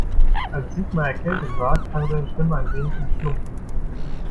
Als Sigmar erkältet war, klang seine Stimme ein wenig nach Schlumpf.